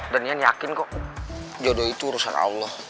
dan iyan yakin kok jodoh itu urusan allah